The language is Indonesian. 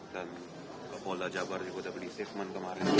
dan polda jabar juga udah beli statement kemarin